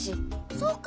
そうか！